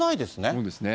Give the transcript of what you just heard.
そうですね。